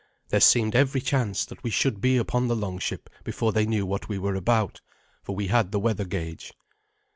There seemed every chance that we should be upon the longship before they knew what we were about, for we had the weather gauge.